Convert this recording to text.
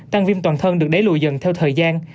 tăng viêm toàn thân được đẩy lùi dần theo thời gian